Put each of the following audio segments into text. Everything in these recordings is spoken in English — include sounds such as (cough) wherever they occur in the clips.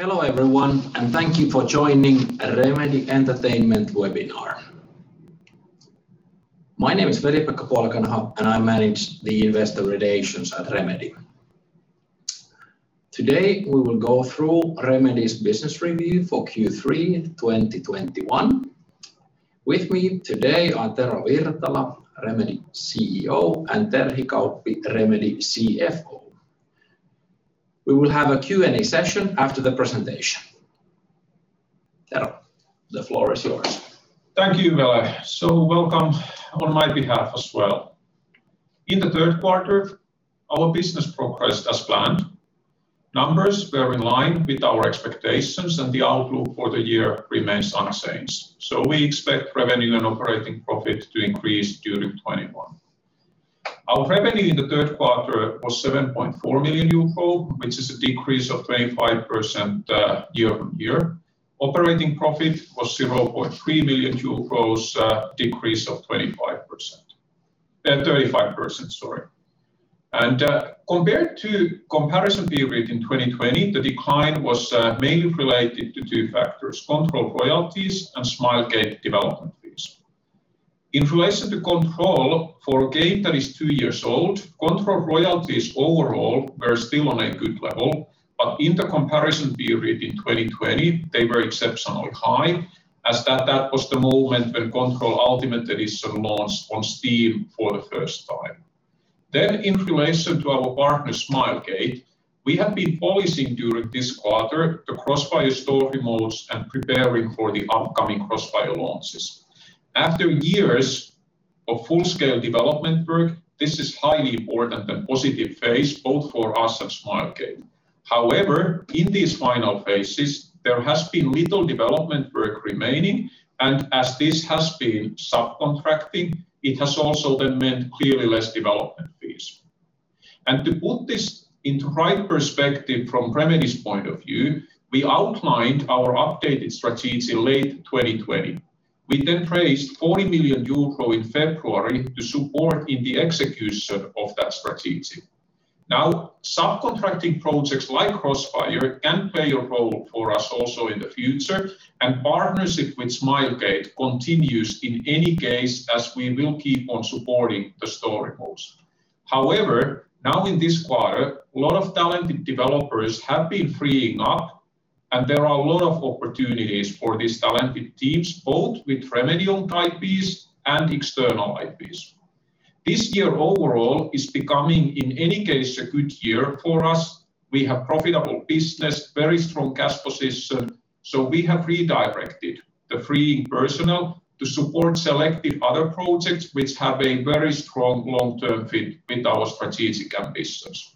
Hello everyone, and thank you for joining Remedy Entertainment webinar. My name is Veli-Pekka Puolakanaho, and I manage the investor relations at Remedy. Today, we will go through Remedy's business review for Q3 2021. With me today are Tero Virtala, Remedy CEO, and Terhi Kauppi, Remedy CFO. We will have a Q&A session after the presentation. Tero, the floor is yours. Thank you, Veli-Pekka Puolakanaho. Welcome on my behalf as well. In the Q3, our business progressed as planned. Numbers were in line with our expectations, and the outlook for the year remains unchanged. We expect revenue and operating profit to increase during 2021. Our revenue in the Q3 was 7.4 million euro, which is a decrease of 25%, year-over-year. Operating profit was 0.3 million euros, a decrease of 35%, sorry. Compared to comparison period in 2020, the decline was mainly related to two factors, Control royalties and Smilegate development fees. In relation to Control, for a game that is two years old, Control royalties overall were still on a good level, but in the comparison period in 2020, they were exceptionally high, as that was the moment when Control Ultimate Edition launched on Steam for the first time. In relation to our partner, Smilegate, we have been polishing during this quarter the CrossFire story modes and preparing for the upcoming CrossFire launches. After years of full-scale development work, this is highly important and positive phase, both for us and Smilegate. However, in these final phases, there has been little development work remaining, and as this has been subcontracting, it has also then meant clearly less development fees. To put this into right perspective from Remedy's point of view, we outlined our updated strategy late 2020. We then raised 40 million euro in February to support in the execution of that strategy. Now, subcontracting projects like CrossFire can play a role for us also in the future, and partnership with Smilegate continues in any case as we will keep on supporting the story modes. However, now in this quarter, a lot of talented developers have been freeing up, and there are a lot of opportunities for these talented teams, both with Remedy-owned IPs and external IPs. This year overall is becoming, in any case, a good year for us. We have profitable business, very strong cash position, so we have redirected the freeing personnel to support selective other projects which have a very strong long-term fit with our strategic ambitions.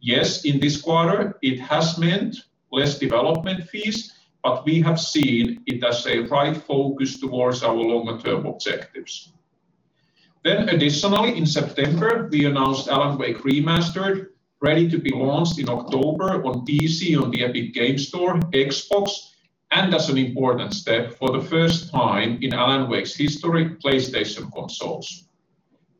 Yes, in this quarter it has meant less development fees, but we have seen it as a right focus towards our longer-term objectives. Additionally, in September, we announced Alan Wake Remastered, ready to be launched in October on PC on the Epic Games Store, Xbox, and as an important step, for the first time in Alan Wake's history, PlayStation consoles.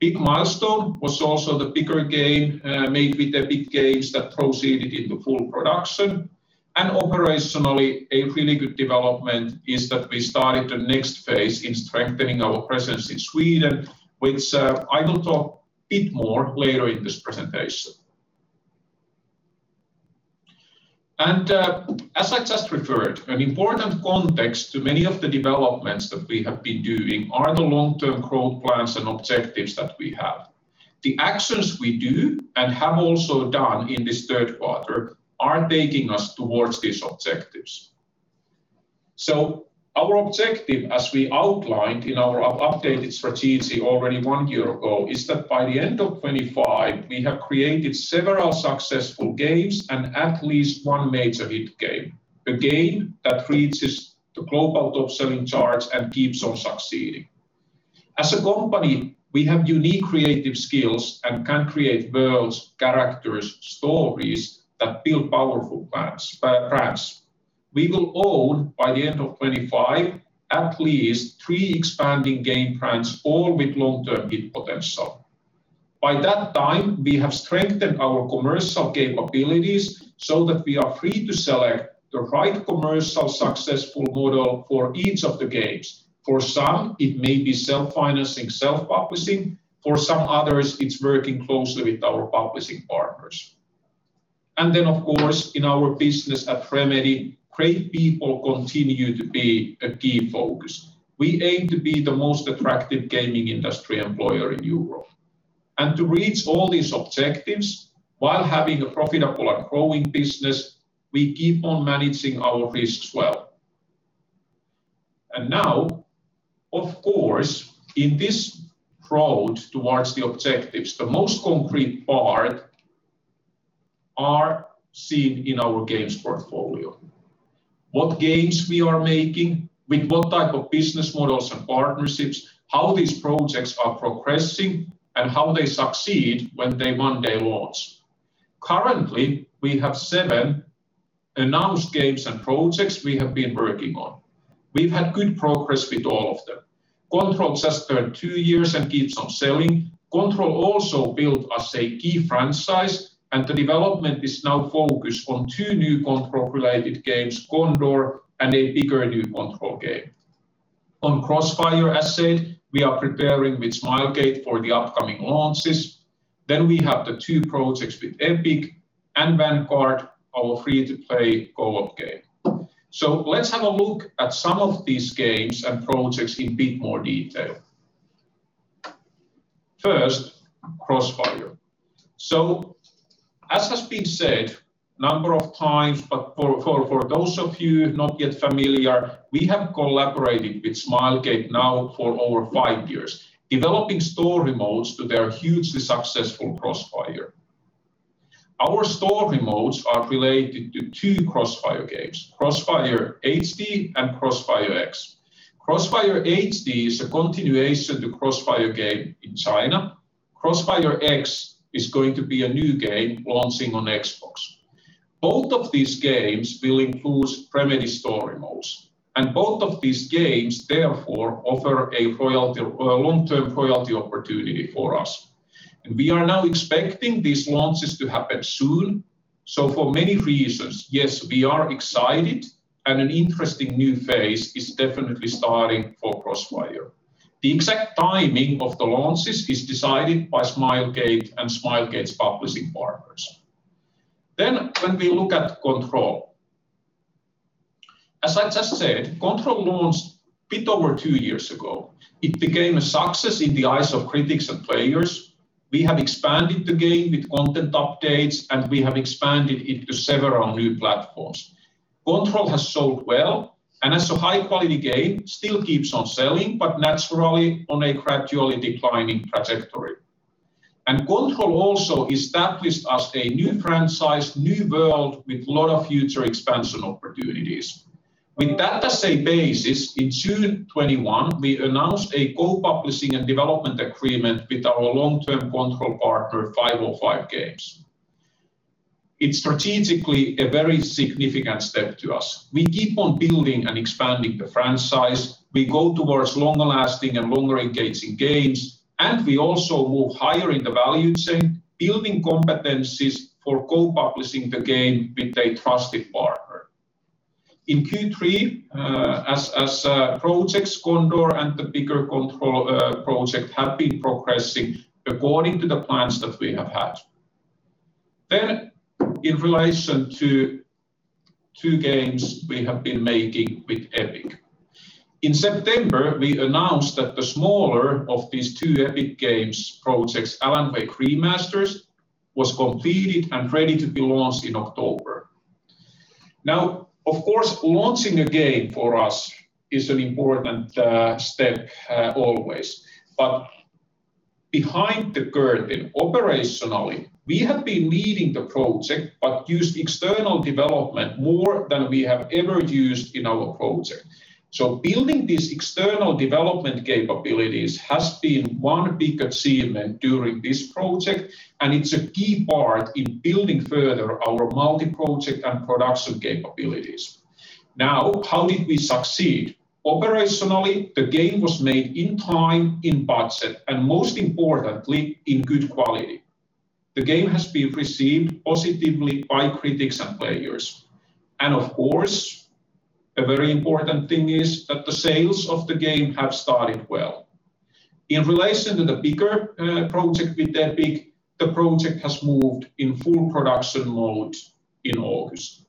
Big milestone was also the bigger game made with Epic Games that proceeded into full production. Operationally, a really good development is that we started the next phase in strengthening our presence in Sweden, which, I will talk a bit more later in this presentation. As I just referred, an important context to many of the developments that we have been doing are the long-term growth plans and objectives that we have. The actions we do and have also done in this Q3 are taking us towards these objectives. Our objective, as we outlined in our updated strategy already one year ago, is that by the end of 2025, we have created several successful games and at least one major hit game, a game that reaches the global top-selling charts and keeps on succeeding. As a company, we have unique creative skills and can create worlds, characters, stories that build powerful brands. We will own, by the end of 2025, at least three expanding game brands, all with long-term hit potential. By that time, we have strengthened our commercial capabilities so that we are free to select the right commercial successful model for each of the games. For some, it may be self-financing, self-publishing. For some others, it's working closely with our publishing partners. Of course, in our business at Remedy, great people continue to be a key focus. We aim to be the most attractive gaming industry employer in Europe. To reach all these objectives while having a profitable and growing business, we keep on managing our risks well. Now, of course, in this road towards the objectives, the most concrete part are seen in our games portfolio. What games we are making, with what type of business models and partnerships, how these projects are progressing, and how they succeed when they one day launch. Currently, we have seven announced games and projects we have been working on. We've had good progress with all of them. Control just turned two years and keeps on selling. Control also built us a key franchise, and the development is now focused on two new Control-related games, Condor and a bigger new Control game. On CrossFire, as said, we are preparing with Smilegate for the upcoming launches. We have the two projects with Epic and Vanguard, our free-to-play co-op game. Let's have a look at some of these games and projects in a bit more detail. First, CrossFire. As has been said a number of times, but for those of you not yet familiar, we have collaborated with Smilegate now for over five years, developing story modes to their hugely successful CrossFire. Our story modes are related to two CrossFire games, CrossFire HD and CrossfireX. CrossFire HD is a continuation to CrossFire game in China. CrossfireX is going to be a new game launching on Xbox. Both of these games will include Remedy story modes, and both of these games therefore offer a royalty, a long-term royalty opportunity for us. We are now expecting these launches to happen soon. For many reasons, yes, we are excited, and an interesting new phase is definitely starting for CrossFire. The exact timing of the launches is decided by Smilegate and Smilegate's publishing partners. When we look at Control. As I just said, Control launched a bit over two years ago. It became a success in the eyes of critics and players. We have expanded the game with content updates, and we have expanded into several new platforms. Control has sold well, and as a high-quality game, still keeps on selling, but naturally on a gradually declining trajectory. Control also established us a new franchise, new world with a lot of future expansion opportunities. With that as a basis, in June 2021, we announced a co-publishing and development agreement with our long-term Control partner, 505 Games. It's strategically a very significant step to us. We keep on building and expanding the franchise. We go towards longer-lasting and longer-engaging games, and we also move higher in the value chain, building competencies for co-publishing the game with a trusted partner. In Q3, projects Condor and the bigger Control project have been progressing according to the plans that we have had. In relation to two games we have been making with Epic. In September, we announced that the smaller of these two Epic Games projects, Alan Wake Remastered, was completed and ready to be launched in October. Now, of course, launching a game for us is an important step always. Behind the curtain, operationally, we have been leading the project but used external development more than we have ever used in our project. Building these external development capabilities has been one big achievement during this project, and it's a key part in building further our multi-project and production capabilities. Now, how did we succeed? Operationally, the game was made in time, in budget, and most importantly, in good quality. The game has been received positively by critics and players. Of course, a very important thing is that the sales of the game have started well. In relation to the bigger project with Epic, the project has moved in full production mode in August.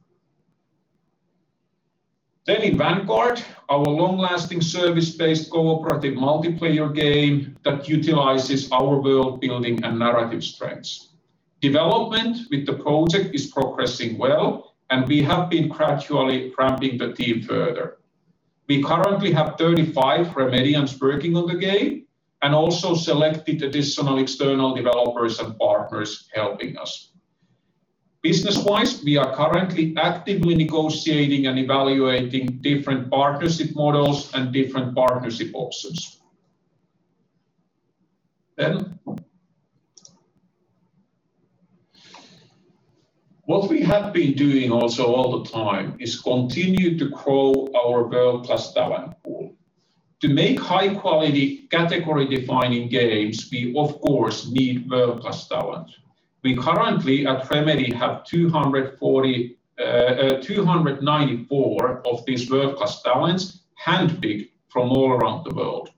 In Vanguard, our long-lasting service-based cooperative multiplayer game that utilizes our world-building and narrative strengths. Development with the project is progressing well, and we have been gradually ramping the team further. We currently have 35 Remedians working on the game and also selected additional external developers and partners helping us. Business-wise, we are currently actively negotiating and evaluating different partnership models and different partnership options. What we have been doing also all the time is continue to grow our world-class talent pool. To make high-quality, category-defining games, we of course need world-class talent. We currently at Remedy have 294 of these world-class talents handpicked from all around the world.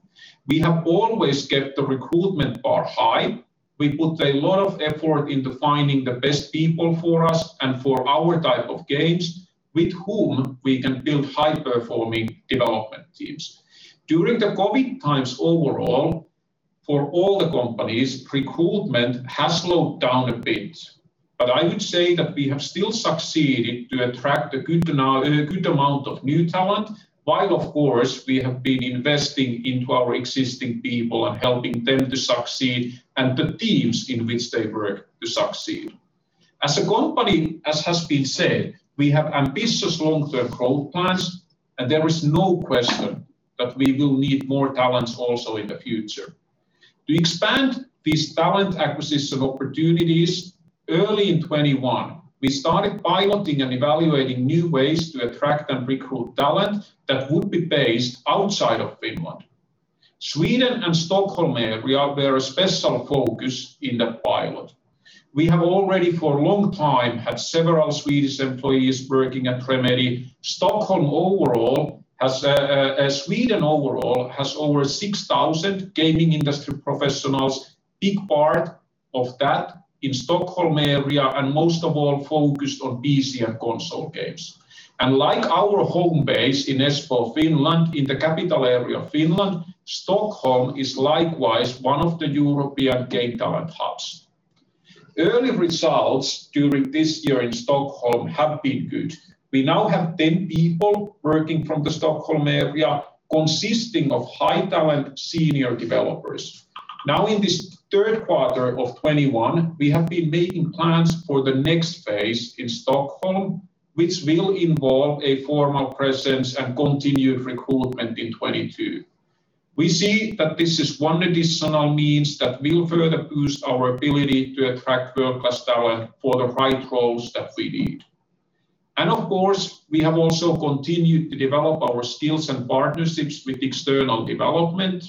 We have always kept the recruitment bar high. We put a lot of effort into finding the best people for us and for our type of games with whom we can build high-performing development teams. During the COVID times overall, for all the companies, recruitment has slowed down a bit. I would say that we have still succeeded to attract a good amount of new talent, while of course, we have been investing into our existing people and helping them to succeed and the teams in which they work to succeed. As a company, as has been said, we have ambitious long-term growth plans, and there is no question that we will need more talents also in the future. To expand these talent acquisition opportunities, early in 2021, we started piloting and evaluating new ways to attract and recruit talent that would be based outside of Finland. Sweden and Stockholm area were a special focus in that pilot. We have already for a long time had several Swedish employees working at Remedy. Sweden overall has over 6,000 gaming industry professionals. big part of that in the Stockholm area, and most of all focused on PC and console games. Like our home base in Espoo, Finland, in the capital area of Finland, Stockholm is likewise one of the European game talent hubs. Early results during this year in Stockholm have been good. We now have 10 people working from the Stockholm area, consisting of high-talent senior developers. Now, in this Q3 of 2021, we have been making plans for the next phase in Stockholm, which will involve a formal presence and continued recruitment in 2022. We see that this is one additional means that will further boost our ability to attract world-class talent for the right roles that we need. Of course, we have also continued to develop our skills and partnerships with external development.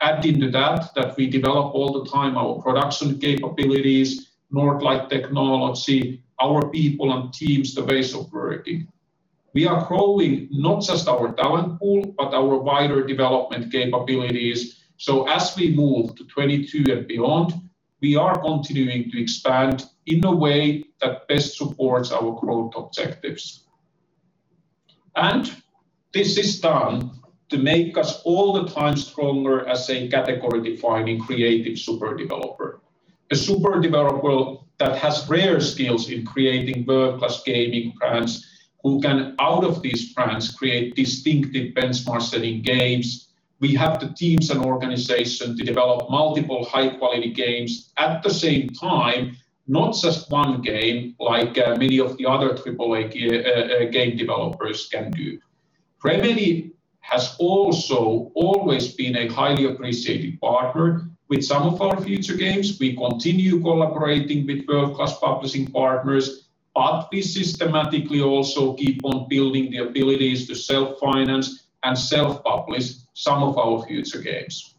Adding to that we develop all the time our production capabilities, Northlight technology, our people and teams, the base of working. We are growing not just our talent pool, but our wider development capabilities. As we move to 2022 and beyond, we are continuing to expand in a way that best supports our growth objectives. This is done to make us all the time stronger as a category-defining creative super developer. A super developer that has rare skills in creating world-class gaming brands, who can out of these brands create distinctive benchmark-setting games. We have the teams and organization to develop multiple high-quality games at the same time, not just one game like many of the other AAA game developers can do. Remedy has also always been a highly appreciated partner. With some of our future games, we continue collaborating with world-class publishing partners, but we systematically also keep on building the abilities to self-finance and self-publish some of our future games.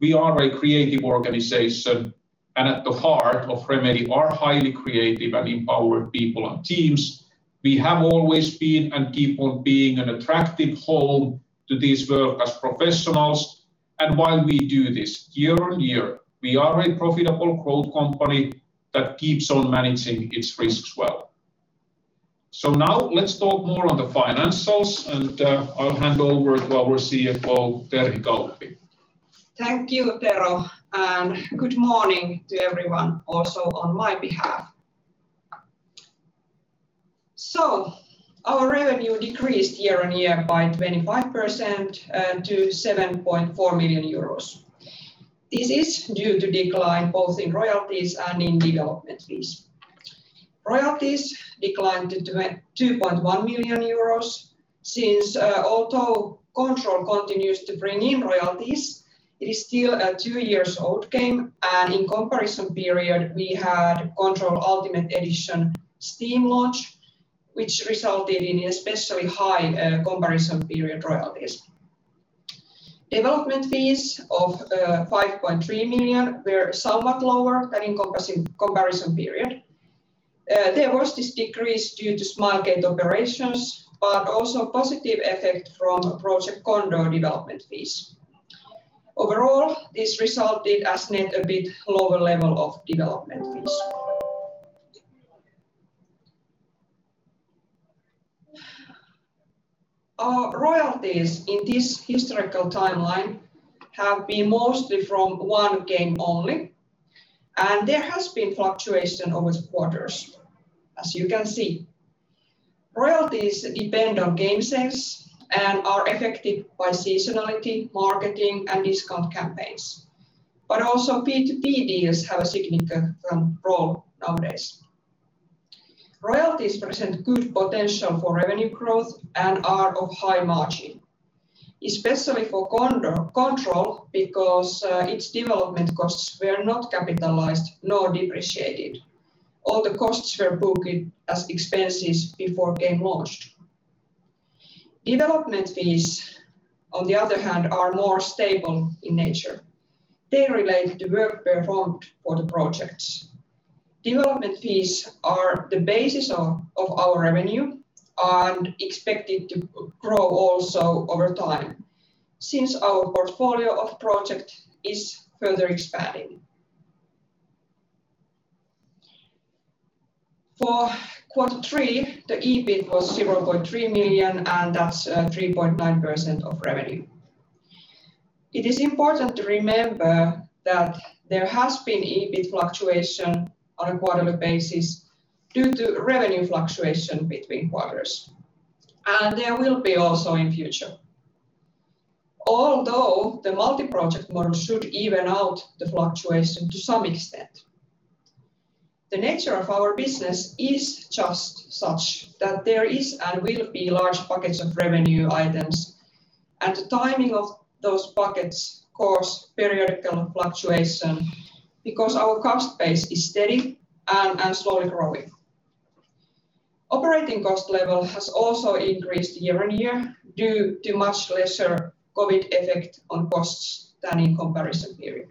We are a creative organization, and at the heart of Remedy are highly creative and empowered people and teams. We have always been and keep on being an attractive home to these world-class professionals. While we do this year on year, we are a profitable growth company that keeps on managing its risks well. Now let's talk more on the financials, and I'll hand over to our CFO, Terhi Kauppi. Thank you, Tero, and good morning to everyone also on my behalf. Our revenue decreased year-on-year by 25% to 7.4 million euros. This is due to decline both in royalties and in development fees. Royalties declined to 2.1 million euros since although Control continues to bring in royalties, it is still a two-year-old game, and in comparison period, we had Control Ultimate Edition Steam launch, which resulted in especially high comparison period royalties. Development fees of 5.3 million were somewhat lower than in comparison period. There was this decrease due to small game operations, but also positive effect from Project Condor development fees. Overall, this resulted as net a bit lower level of development fees. Our royalties in this historical timeline have been mostly from one game only, and there has been fluctuation over quarters, as you can see. Royalties depend on game sales and are affected by seasonality, marketing, and discount campaigns. Also B2B deals have a significant role nowadays. Royalties present good potential for revenue growth and are of high margin, especially for Control, because its development costs were not capitalized nor depreciated. All the costs were booked as expenses before game launch. Development fees, on the other hand, are more stable in nature. They relate to work performed for the projects. Development fees are the basis of our revenue and expected to grow also over time, since our portfolio of project is further expanding. For Q3, the EBIT was 0.3 million, and that's 3.9% of revenue. It is important to remember that there has been EBIT fluctuation on a quarterly basis due to revenue fluctuation between quarters, and there will be also in future. Although the multi-project model should even out the fluctuation to some extent. The nature of our business is just such that there is and will be large pockets of revenue items, and the timing of those pockets cause periodic fluctuation because our cost base is steady and slowly growing. Operating cost level has also increased year-on-year due to much lesser COVID effect on costs than in comparison period.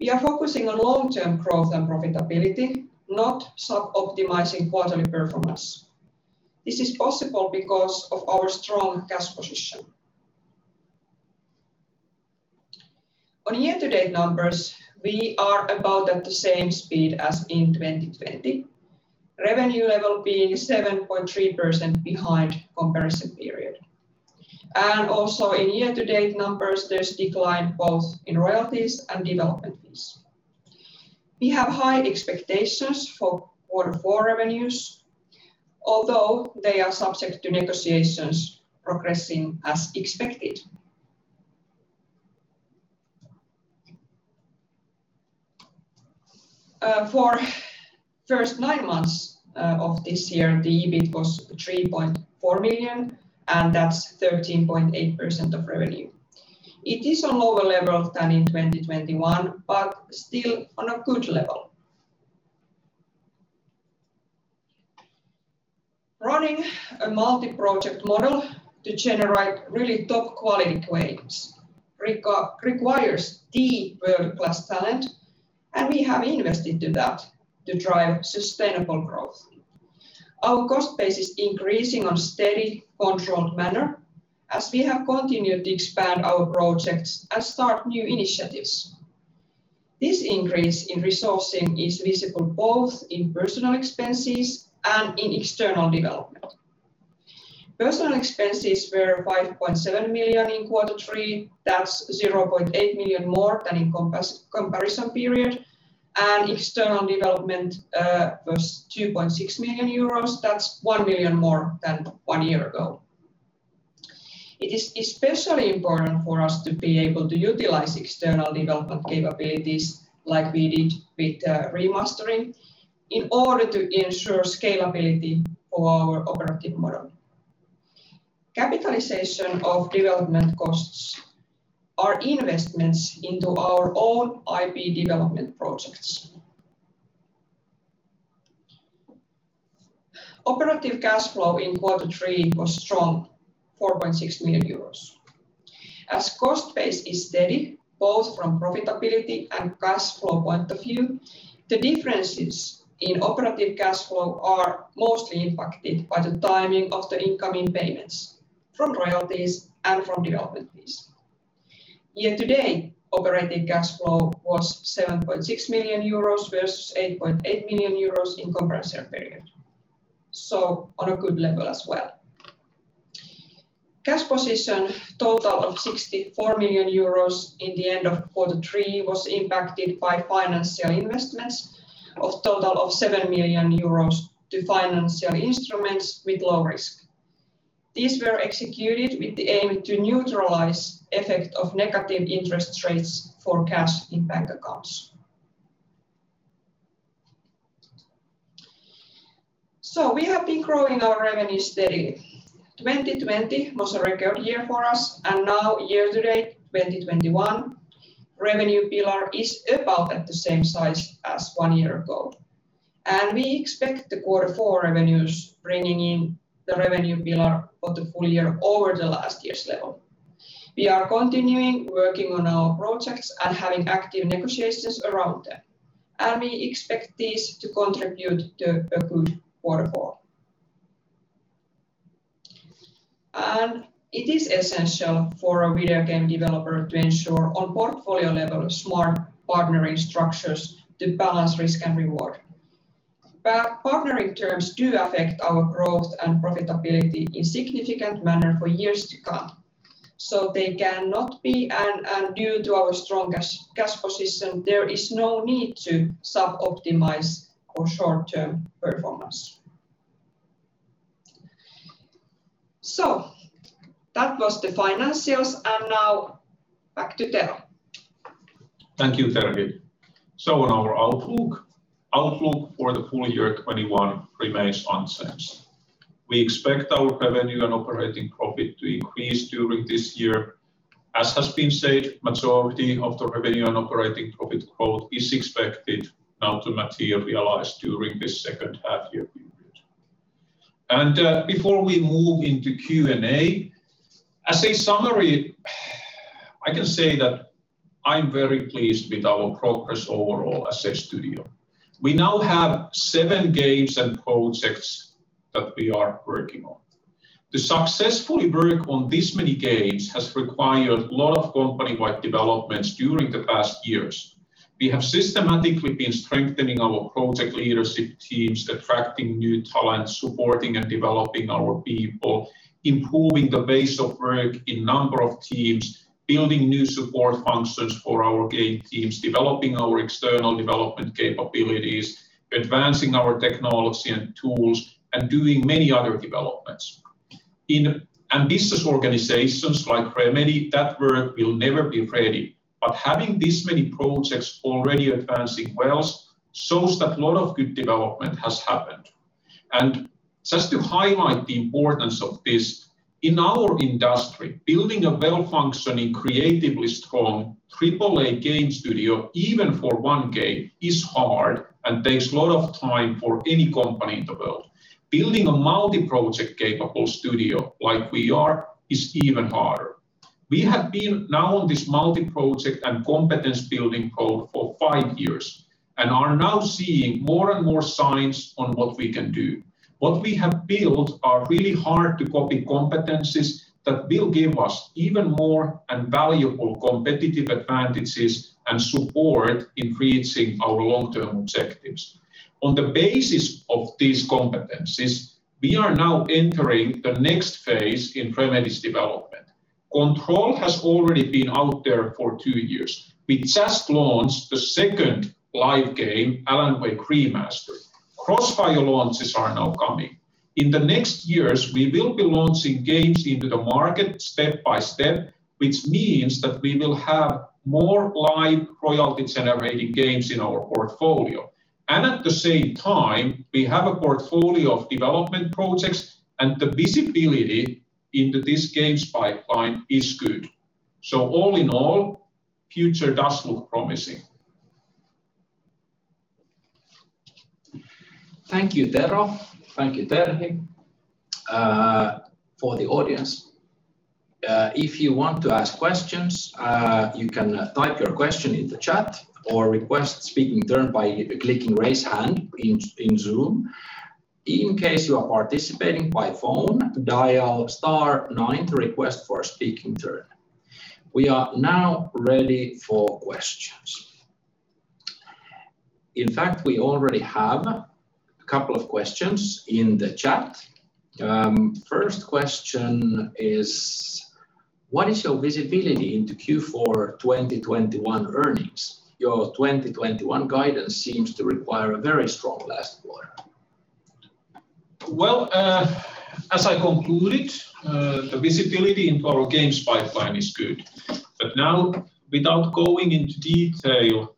We are focusing on long-term growth and profitability, not sub-optimizing quarterly performance. This is possible because of our strong cash position. On year-to-date numbers, we are about at the same speed as in 2020. Revenue level being 7.3% behind comparison period. Also in year-to-date numbers, there's decline both in royalties and development fees. We have high expectations for Q4 revenues, although they are subject to negotiations progressing as expected. For first nine months of this year, the EBIT was 3.4 million, and that's 13.8% of revenue. It is on lower level than in 2021, but still on a good level. Running a multi-project model to generate really top-quality games requires the world-class talent, and we have invested to that to drive sustainable growth. Our cost base is increasing in a steady, controlled manner as we have continued to expand our projects and start new initiatives. This increase in resourcing is visible both in personnel expenses and in external development. Personnel expenses were 5.7 million in Q3. That's 0.8 million more than in comparison period. External development was 2.6 million euros. That's 1 million more than one year ago. It is especially important for us to be able to utilize external development capabilities like we did with remastering in order to ensure scalability for our operative model. Capitalization of development costs are investments into our own IP development projects. Operative cash flow in Q3 was strong, 4.6 million euros. As cost base is steady both from profitability and cash flow point of view, the differences in operative cash flow are mostly impacted by the timing of the incoming payments from royalties and from development fees. Year-to-date, operative cash flow was 7.6 million euros versus 8.8 million euros in comparison period, so on a good level as well. Cash position total of 64 million euros in the end of Q3 was impacted by financial investments of total of 7 million euros to financial instruments with low risk. These were executed with the aim to neutralize effect of negative interest rates for cash in bank accounts. We have been growing our revenue steady. 2020 was a record year for us, now year-to-date 2021 revenue pillar is about at the same size as one year ago. We expect the Q4 revenues bringing in the revenue pillar for the full year over the last year's level. We are continuing working on our projects and having active negotiations around them, we expect this to contribute to a good Q4. It is essential for a video game developer to ensure on portfolio level smart partnering structures to balance risk and reward. Partnering terms do affect our growth and profitability in significant manner for years to come, so they cannot be. Due to our strong cash position, there is no need to sub-optimize for short-term performance. That was the financials, and now back to Tero. Thank you, Terhi. On our outlook. Outlook for the full year 2021 remains unchanged. We expect our revenue and operating profit to increase during this year. As has been said, majority of the revenue and operating profit growth is expected now to materialize during this second half year period. Before we move into Q&A, as a summary, I can say that I'm very pleased with our progress overall as a studio. We now have seven games and projects that we are working on. To successfully work on this many games has required a lot of company-wide developments during the past years. We have systematically been strengthening our project leadership teams, attracting new talent, supporting and developing our people, improving the base of work in number of teams, building new support functions for our game teams, developing our external development capabilities, advancing our technology and tools, and doing many other developments. In ambitious organizations like Remedy, that work will never be ready. Having this many projects already advancing well shows that a lot of good development has happened. Just to highlight the importance of this, in our industry, building a well-functioning, creatively strong AAA game studio, even for one game, is hard and takes a lot of time for any company in the world. Building a multi-project capable studio like we are is even harder. We have been now on this multi-project and competence building road for five years, and are now seeing more and more signs on what we can do. What we have built are really hard-to-copy competencies that will give us even more and valuable competitive advantages and support in reaching our long-term objectives. On the basis of these competencies, we are now entering the next phase in Remedy's development. Control has already been out there for two years. We just launched the second live game, Alan Wake Remastered. CrossFire launches are now coming. In the next years, we will be launching games into the market step by step, which means that we will have more live royalty-generating games in our portfolio. At the same time, we have a portfolio of development projects, and the visibility into this games pipeline is good. All in all, future does look promising. Thank you, Tero. Thank you, Terhi. For the audience, if you want to ask questions, you can type your question in the chat or request speaking turn by clicking Raise Hand in Zoom. In case you are participating by phone, dial star nine to request for a speaking turn. We are now ready for questions. In fact, we already have a couple of questions in the chat. First question is: what is your visibility into Q4 2021 earnings? Your 2021 guidance seems to require a very strong last quarter. Well, as I concluded, the visibility into our games pipeline is good. Now, without going into detail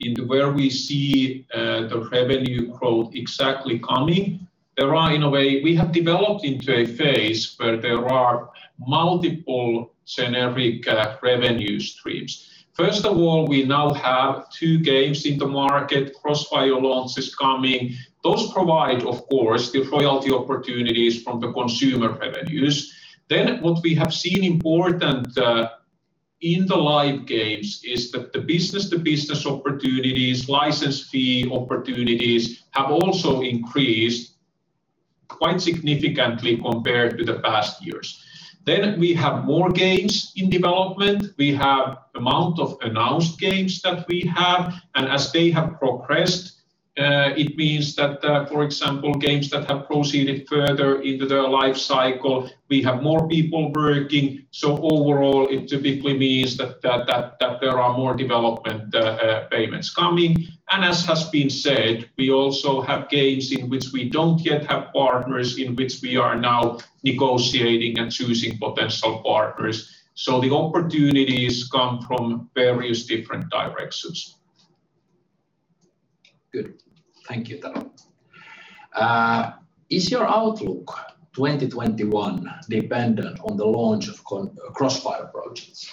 into where we see, the revenue growth exactly coming, there are in a way. We have developed into a phase where there are multiple generic, revenue streams. First of all, we now have two games in the market. CrossFire launch is coming. Those provide, of course, the royalty opportunities from the consumer revenues. What we have seen important, in the live games is that the business-to-business opportunities, license fee opportunities have also increased quite significantly compared to the past years. We have more games in development. We have amount of announced games that we have, and as they have progressed, it means that, for example, games that have proceeded further into their life cycle, we have more people working. Overall, it typically means that there are more development payments coming. As has been said, we also have games in which we don't yet have partners, in which we are now negotiating and choosing potential partners. The opportunities come from various different directions. Good. Thank you, Tero. Is your outlook 2021 dependent on the launch of CrossFire projects?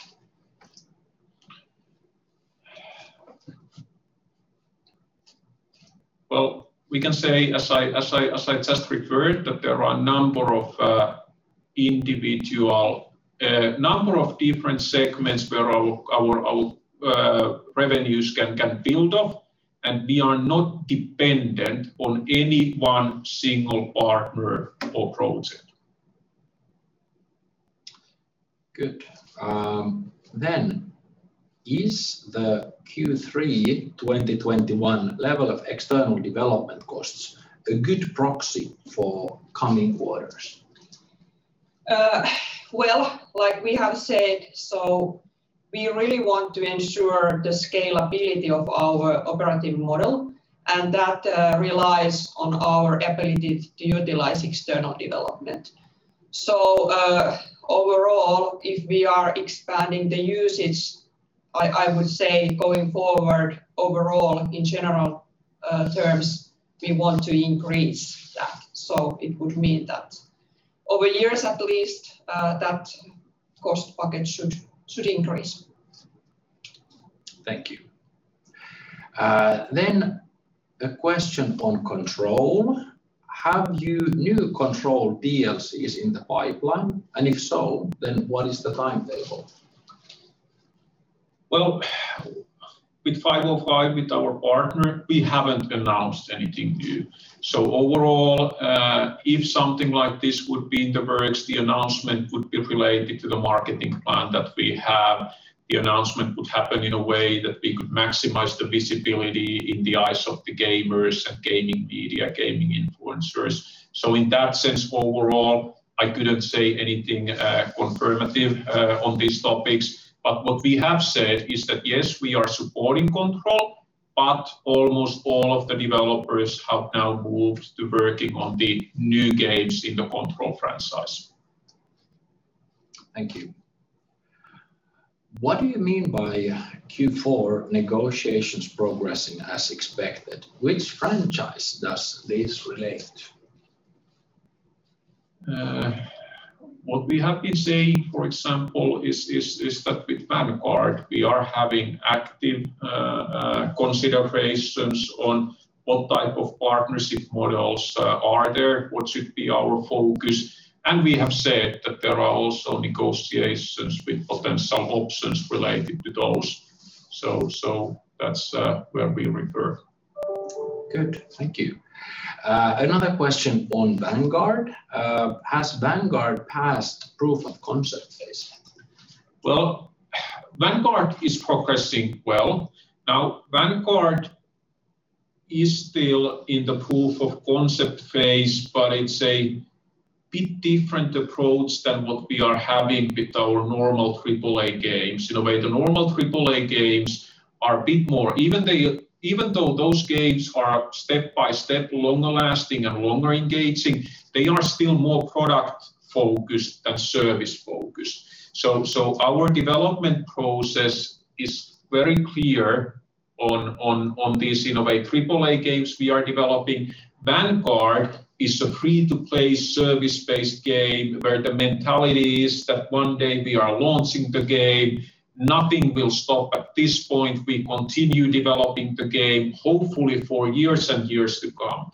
Well, we can say, as I just referred, that there are a number of different segments where our revenues can build off, and we are not dependent on any one single partner or project. Good. Is the Q3 2021 level of external development costs a good proxy for coming quarters? Well, like we have said, we really want to ensure the scalability of our operating model, and that relies on our ability to utilize external development. Overall, if we are expanding the usage, I would say going forward, overall, in general terms, we want to increase that. It would mean that over years at least, that cost package should increase. Thank you. A question on Control. Have you new Control DLCs in the pipeline? If so, then what is the timetable? Well, with 505 Games, with our partner, we haven't announced anything new. Overall, if something like this would be in the works, the announcement would be related to the marketing plan that we have. The announcement would happen in a way that we could maximize the visibility in the eyes of the gamers and gaming media, gaming influencers. In that sense, overall, I couldn't say anything confirmative on these topics. What we have said is that, yes, we are supporting Control. Almost all of the developers have now moved to working on the new games in the Control franchise. Thank you. What do you mean by Q4 negotiations progressing as expected? Which franchise does this relate to? What we have been saying, for example, is that with Vanguard, we are having active considerations on what type of partnership models are there, what should be our focus, and we have said that there are also negotiations with potential options related to those. That's where we refer. Good. Thank you. Another question on Vanguard. Has Vanguard passed proof of concept phase? Well, Vanguard is progressing well. Now, Vanguard is still in the proof of concept phase, but it's a bit different approach than what we are having with our normal AAA games. In a way, the normal AAA games are a bit more. Even they, even though those games are step-by-step longer lasting and longer engaging, they are still more product-focused than service-focused. Our development process is very clear on these, in a way, AAA games we are developing. Vanguard is a free-to-play service-based game where the mentality is that one day we are launching the game, nothing will stop at this point. We continue developing the game, hopefully for years and years to come.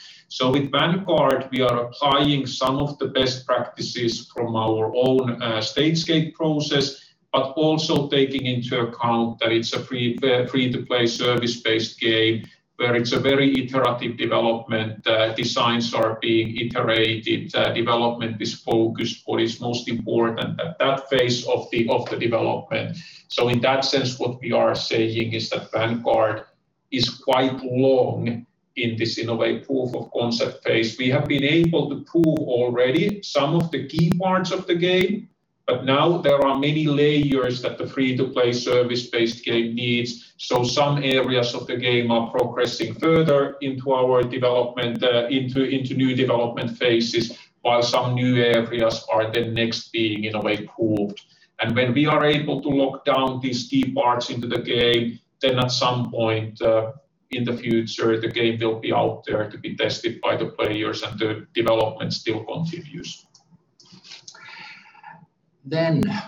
With Vanguard, we are applying some of the best practices from our own stage gate process, but also taking into account that it's a free-to-play service-based game, where it's a very iterative development, designs are being iterated, development is focused what is most important at that phase of the development. In that sense, what we are saying is that Vanguard is quite long in this, in a way, proof of concept phase. We have been able to prove already some of the key parts of the game, but now there are many layers that the free-to-play service-based game needs, so some areas of the game are progressing further into our development, into new development phases, while some new areas are the next being, in a way, proved. When we are able to lock down these key parts into the game, then at some point in the future, the game will be out there to be tested by the players, and the development still continues.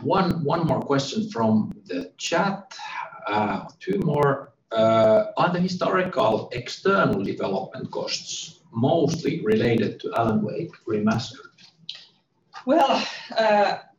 One more question from the chat. Two more. Are the historical external development costs mostly related to Alan Wake Remastered? Well,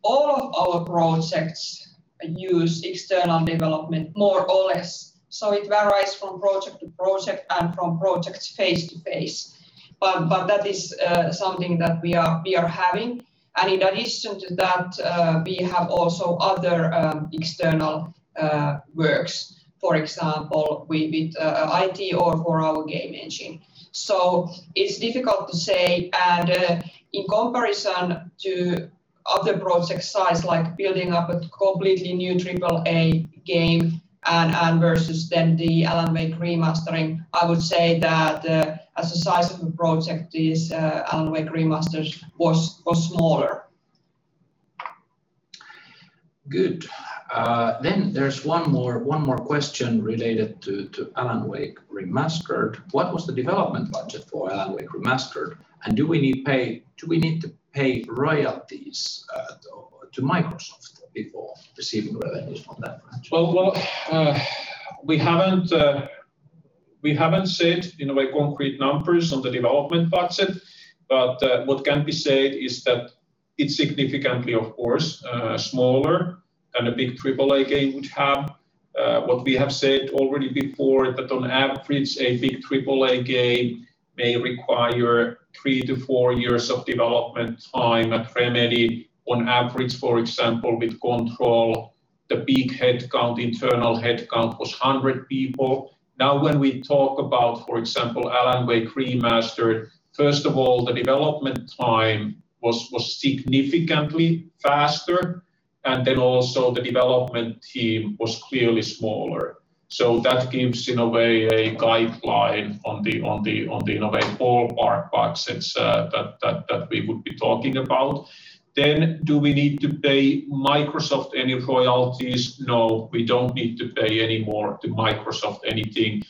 all of our projects use external development more or less, so it varies from project to project and from project phase to phase. That is something that we are having. In addition to that, we have also other external works, for example, with IT or for our game engine. It's difficult to say. In comparison to other project size, like building up a completely new AAA game and versus then the Alan Wake Remastered, I would say that, as the size of a project is, Alan Wake Remastered was smaller. Good. There's one more question related to Alan Wake Remastered. What was the development budget for Alan Wake Remastered, and do we need to pay royalties to Microsoft before receiving revenues from that franchise? Well, we haven't said in a way concrete numbers on the development budget, but what can be said is that it's significantly, of course, smaller than a big AAA game would have. What we have said already before that on average, a big AAA game may require three to four years of development time at Remedy. On average, for example, with Control, the big headcount, internal headcount was 100 people. Now, when we talk about, for example, Alan Wake Remastered, first of all, the development time was significantly faster, and then also the development team was clearly smaller. That gives in a way a guideline on the in a way, ballpark budgets that we would be talking about. Do we need to pay Microsoft any royalties? No, we don't need to pay any more to Microsoft anything.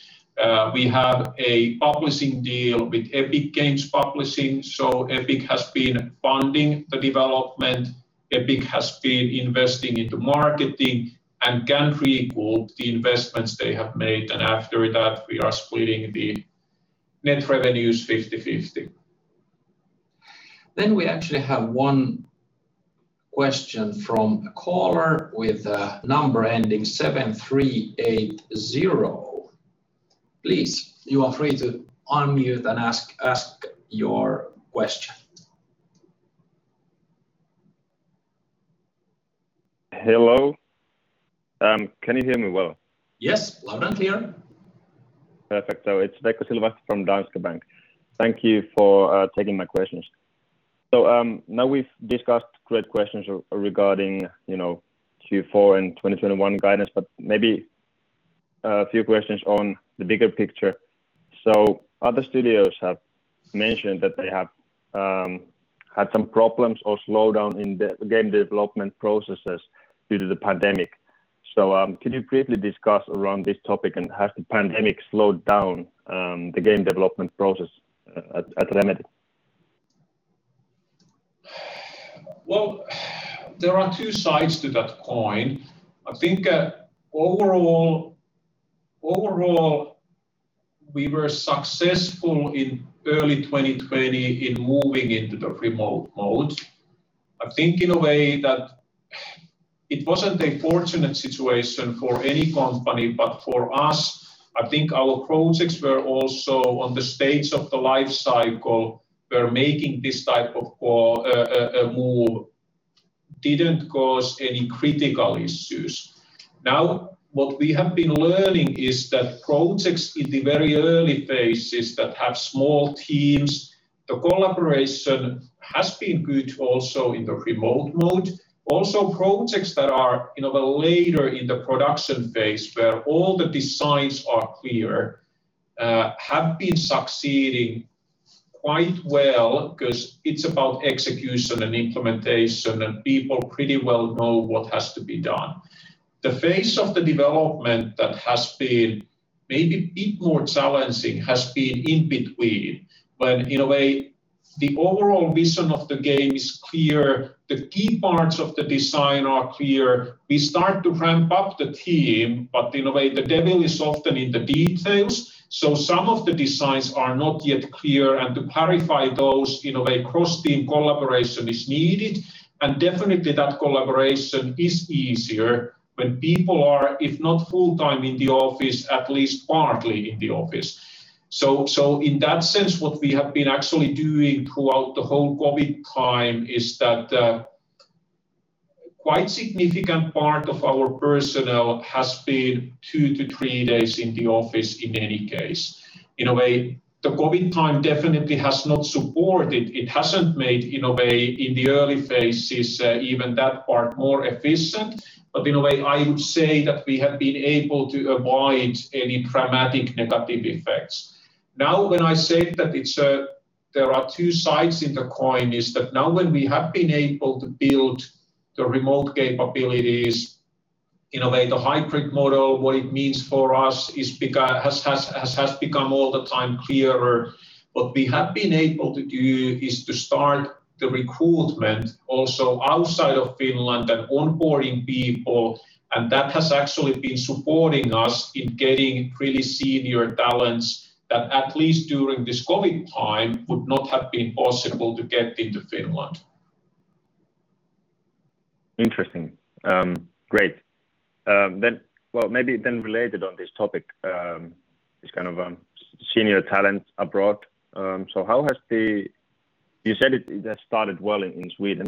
We have a publishing deal with Epic Games Publishing, so Epic has been funding the development. Epic has been investing into marketing and can recoup the investments they have made, and after that, we are splitting the net revenues 50/50. We actually have one question from a caller with a number ending 7380. Please, you are free to unmute and ask your question. Hello? Can you hear me well? Yes, loud and clear. Perfect. It's Veikko Silvola from Danske Bank. Thank you for taking my questions. Now we've discussed great questions regarding, you know, Q4 and 2021 guidance, but maybe a few questions on the bigger picture. Other studios have mentioned that they have had some problems or slowdown in the game development processes due to the pandemic. Can you briefly discuss around this topic and has the pandemic slowed down the game development process at Remedy? Well, there are two sides to that coin. I think, overall we were successful in early 2020 in moving into the remote mode. I think in a way that it wasn't a fortunate situation for any company, but for us, I think our projects were also on the stage of the life cycle where making this type of move didn't cause any critical issues. Now, what we have been learning is that projects in the very early phases that have small teams, the collaboration has been good also in the remote mode. Also projects that are, you know, later in the production phase, where all the designs are clear, have been succeeding quite well because it's about execution and implementation, and people pretty well know what has to be done. The phase of the development that has been maybe a bit more challenging has been in between, when in a way the overall vision of the game is clear, the key parts of the design are clear. We start to ramp up the team, but in a way the devil is often in the details, so some of the designs are not yet clear, and to clarify those, you know, a cross-team collaboration is needed. Definitely that collaboration is easier when people are, if not full-time in the office, at least partly in the office. So in that sense, what we have been actually doing throughout the whole COVID time is that, quite significant part of our personnel has been two to three days in the office in any case. In a way, the COVID time definitely has not supported. It hasn't made, in a way, in the early phases even that part more efficient. In a way, I would say that we have been able to avoid any dramatic negative effects. Now, when I said that there are two sides of the coin, it is that now when we have been able to build the remote capabilities, in a way the hybrid model, what it means for us has become all the time clearer. What we have been able to do is to start the recruitment also outside of Finland and onboarding people, and that has actually been supporting us in getting pretty senior talents that at least during this COVID time would not have been possible to get into Finland. Interesting. Great. Well, maybe then related to this topic is kind of senior talent abroad. How has that started well in Sweden?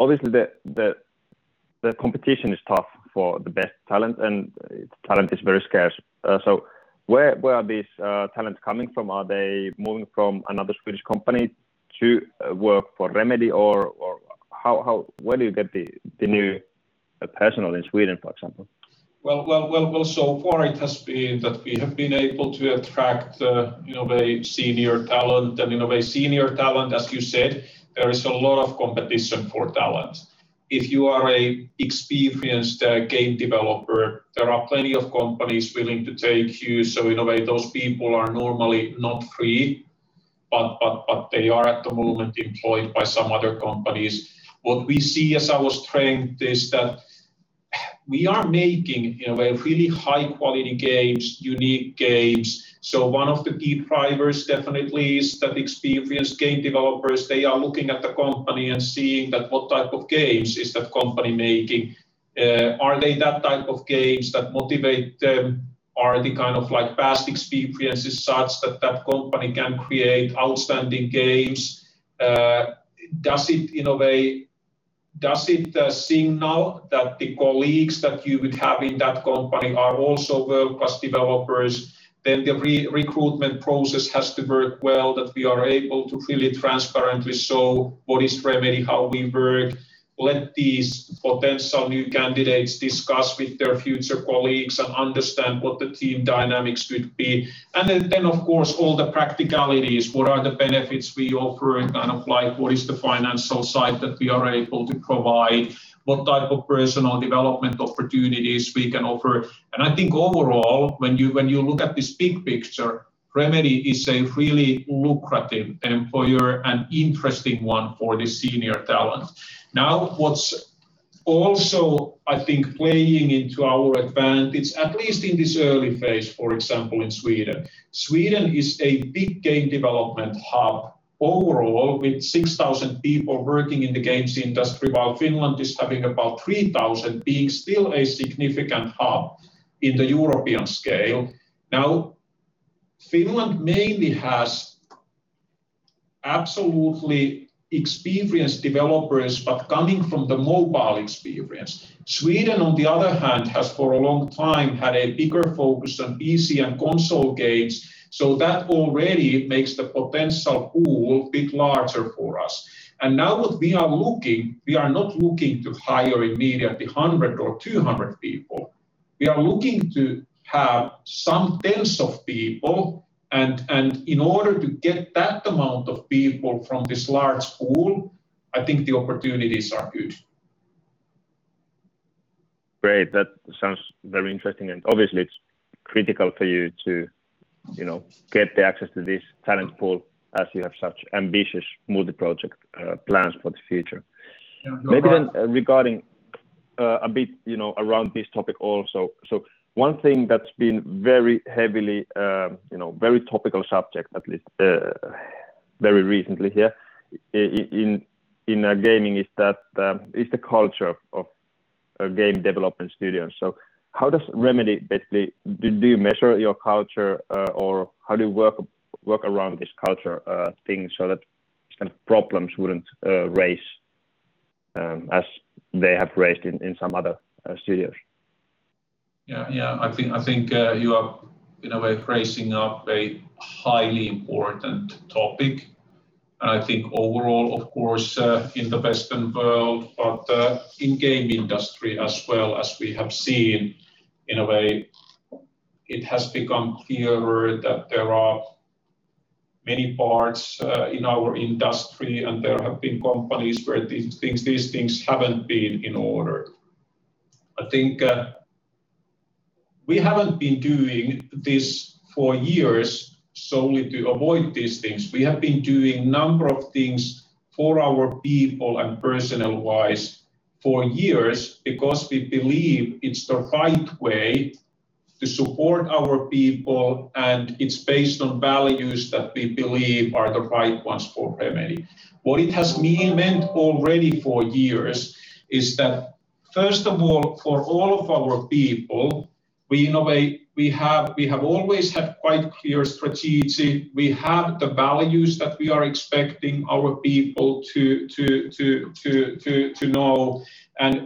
Obviously the competition is tough for the best talent, and talent is very scarce. Where are these talent coming from? Are they moving from another Swedish company to work for Remedy? Or, where do you get the new personnel in Sweden, for example? Well, so far it has been that we have been able to attract, you know, a senior talent. You know, senior talent, as you said, there is a lot of competition for talent. If you are an experienced game developer, there are plenty of companies willing to take you, so in a way, those people are normally not free, but they are at the moment employed by some other companies. What we see as our strength is that we are making, in a way, really high quality games, unique games. One of the key drivers definitely is that experienced game developers, they are looking at the company and seeing that what type of games is that company making. Are they that type of games that motivate them? Are the kind of like past experiences such that the company can create outstanding games? Does it signal that the colleagues that you would have in that company are also world-class developers? The recruitment process has to work well, that we are able to clearly, transparently show what is Remedy, how we work, let these potential new candidates discuss with their future colleagues and understand what the team dynamics would be. Then of course, all the practicalities. What are the benefits we offer? Kind of like what is the financial side that we are able to provide? What type of personal development opportunities we can offer? I think overall, when you look at this big picture, Remedy is a really lucrative employer, an interesting one for the senior talent. Now what's also, I think, playing into our advantage, at least in this early phase, for example, in Sweden. Sweden is a big game development hub overall, with 6,000 people working in the games industry, while Finland is having about 3,000, being still a significant hub in the European scale. Now, Finland mainly has absolutely experienced developers, but coming from the mobile experience. Sweden, on the other hand, has for a long time had a bigger focus on PC and console games, so that already makes the potential pool bit larger for us. Now what we are looking, we are not looking to hire immediately 100 or 200 people. We are looking to have some tens of people and, in order to get that amount of people from this large pool, I think the opportunities are good. Great. That sounds very interesting, and obviously it's critical for you to, you know, get the access to this talent pool as you have such ambitious multi-project plans for the future. (crosstalk) Maybe then regarding a bit, you know, around this topic also. One thing that's been very heavily, you know, very topical subject at least very recently here in gaming is the culture of a game development studio. Do you measure your culture, or how do you work around this culture thing so that these kind of problems wouldn't raise, as they have raised in some other studios? Yeah. Yeah. I think you are in a way raising up a highly important topic. I think overall, of course, in the Western world, but in game industry as well, as we have seen, in a way it has become clearer that there are many parts in our industry, and there have been companies where these things haven't been in order. I think we haven't been doing this for years solely to avoid these things. We have been doing number of things for our people and personnel-wise for years because we believe it's the right way to support our people, and it's based on values that we believe are the right ones for Remedy. What it has meant already for years is that first of all, for all of our people, in a way, we have always had quite clear strategy. We have the values that we are expecting our people to know.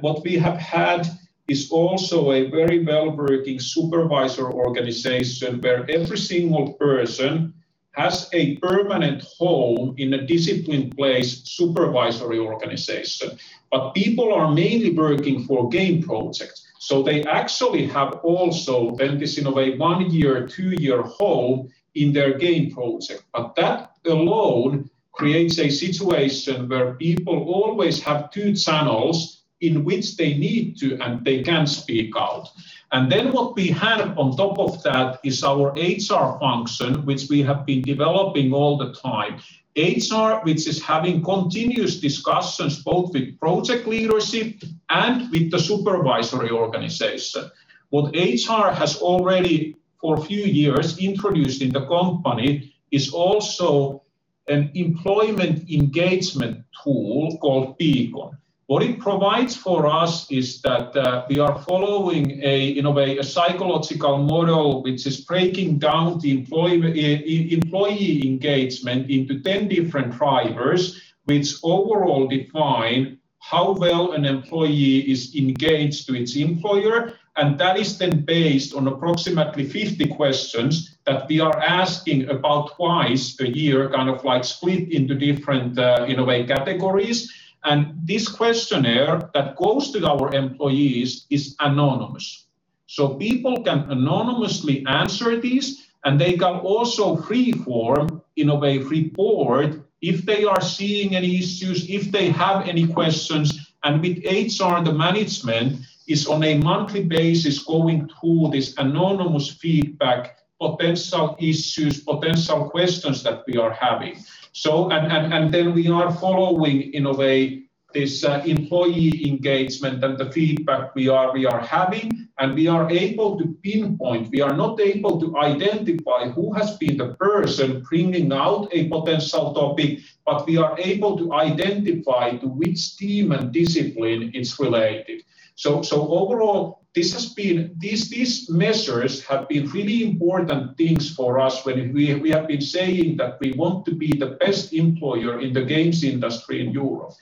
What we have had is also a very well-working supervisor organization, where every single person has a permanent home in a discipline-placed supervisory organization. People are mainly working for game projects, so they actually have also then this, in a way, one-year, two-year home in their game project. That alone creates a situation where people always have two channels in which they need to and they can speak out. What we have on top of that is our HR function, which we have been developing all the time. HR, which is having continuous discussions both with project leadership and with the supervisory organization. What HR has already for a few years introduced in the company is also an employment engagement tool called Peakon. What it provides for us is that we are following, in a way, a psychological model which is breaking down the employee engagement into 10 different drivers, which overall define how well an employee is engaged to its employer. That is then based on approximately 50 questions that we are asking about twice a year, kind of like split into different, in a way, categories. This questionnaire that goes to our employees is anonymous. People can anonymously answer these, and they can also freeform, in a way, report if they are seeing any issues, if they have any questions. With HR, the management is on a monthly basis going through this anonymous feedback, potential issues, potential questions that we are having. We are following, in a way, this employee engagement and the feedback we are having, and we are able to pinpoint. We are not able to identify who has been the person bringing out a potential topic, but we are able to identify to which team and discipline it's related. Overall, these measures have been really important things for us when we have been saying that we want to be the best employer in the games industry in Europe.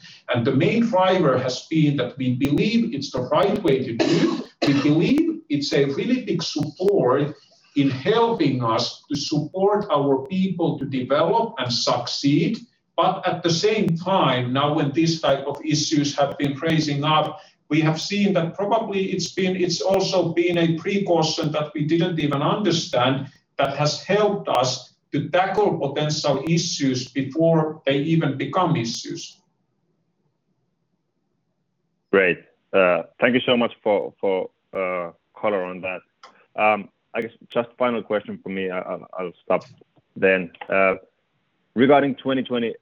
The main driver has been that we believe it's the right way to do. We believe it's a really big support in helping us to support our people to develop and succeed. At the same time, now when these type of issues have been raising up, we have seen that probably it's also been a precaution that we didn't even understand that has helped us to tackle potential issues before they even become issues. Great. Thank you so much for color on that. I guess just final question from me, I'll stop then. Regarding 2020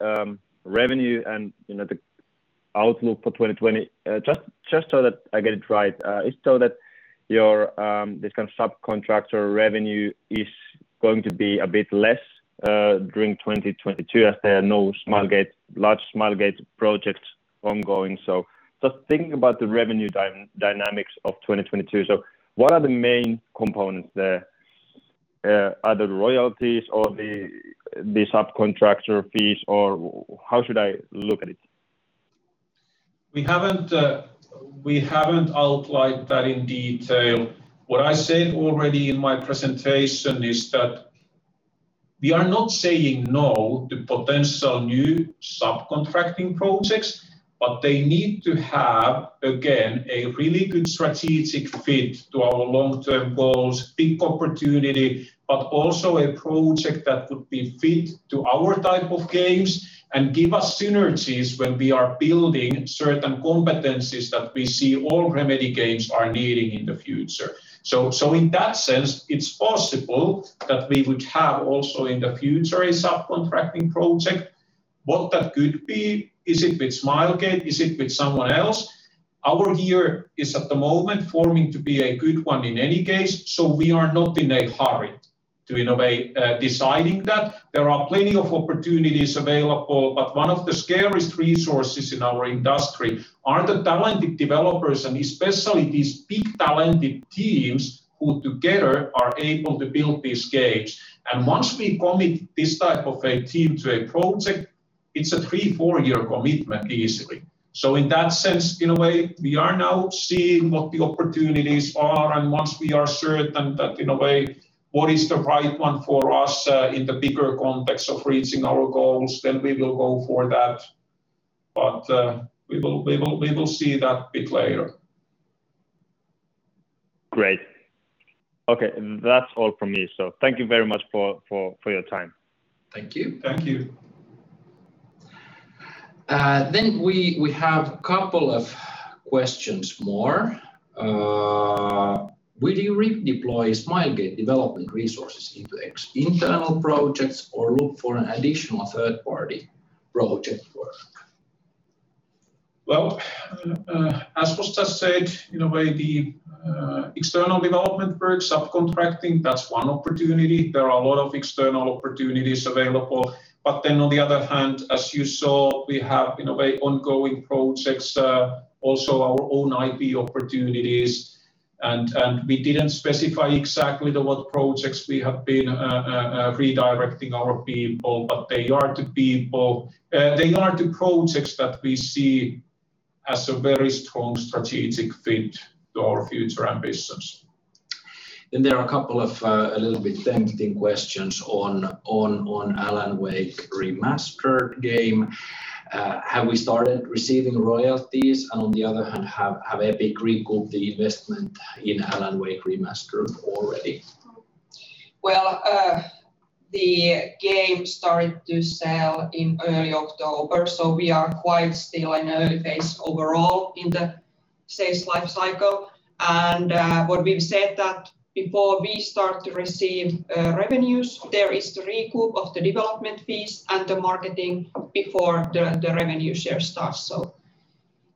revenue and, you know, the outlook for 2020, just so that I get it right, is it so that your this kind of subcontractor revenue is going to be a bit less during 2022 as there are no Smilegate projects ongoing? Just thinking about the revenue dynamics of 2022. What are the main components there? Other royalties or the subcontractor fees, or how should I look at it? We haven't outlined that in detail. What I said already in my presentation is that we are not saying no to potential new subcontracting projects, but they need to have, again, a really good strategic fit to our long-term goals, big opportunity, but also a project that would be fit to our type of games and give us synergies when we are building certain competencies that we see all Remedy games are needing in the future. In that sense, it's possible that we would have also in the future a subcontracting project. What that could be, is it with Smilegate? Is it with someone else? Our year is at the moment forming to be a good one in any case. We are not in a hurry to, in a way, deciding that. There are plenty of opportunities available, but one of the scariest resources in our industry are the talented developers, and especially these big, talented teams who together are able to build these games. Once we commit this type of a team to a project, it's a three, four-year commitment easily. In that sense, in a way, we are now seeing what the opportunities are, and once we are certain that, in a way, what is the right one for us, in the bigger context of reaching our goals, then we will go for that. We will see that bit later. Great. Okay. That's all from me, so thank you very much for your time. Thank you. Thank you. We have couple of questions more. Will you redeploy Smilegate development resources into internal projects or look for an additional third-party project work? Well, as was just said, in a way the external development work, subcontracting, that's one opportunity. There are a lot of external opportunities available. On the other hand, as you saw, we have, in a way, ongoing projects, also our own IP opportunities, and we didn't specify exactly what projects we have been redirecting our people, but they are the projects that we see as a very strong strategic fit to our future ambitions. There are a couple of a little bit tempting questions on Alan Wake Remastered game. Have we started receiving royalties? On the other hand, have Epic recouped the investment in Alan Wake Remastered already? Well, the game started to sell in early October, so we are quite still in early phase overall in the sales life cycle. What we've said that before we start to receive revenues, there is the recoup of the development fees and the marketing before the revenue share starts.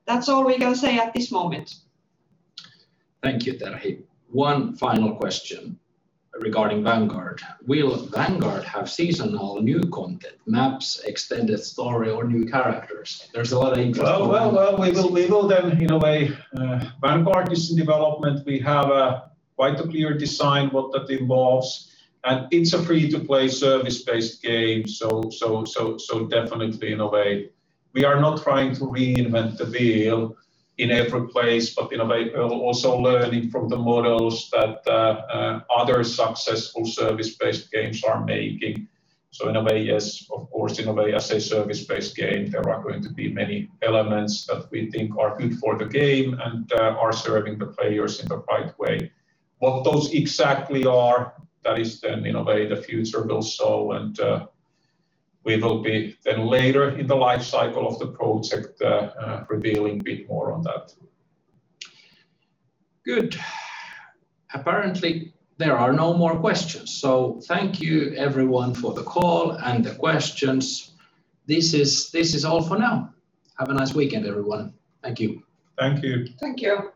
That's all we can say at this moment. Thank you, Terhi. One final question regarding Vanguard. Will Vanguard have seasonal new content, maps, extended story or new characters? There's a lot of interest. (crosstalk) Well, we will then, in a way. Vanguard is in development. We have quite a clear design what that involves, and it's a free-to-play service-based game, so definitely, in a way, we are not trying to reinvent the wheel in every place, but in a way we're also learning from the models that other successful service-based games are making. In a way, yes, of course, in a way, as a service-based game, there are going to be many elements that we think are good for the game and are serving the players in the right way. What those exactly are, that is then, in a way, the future will show, and we will be then later in the life cycle of the project, revealing a bit more on that. Good. Apparently, there are no more questions, so thank you everyone for the call and the questions. This is all for now. Have a nice weekend, everyone. Thank you. Thank you. Thank you.